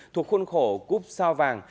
thuộc khuôn khổ cúp sao vàng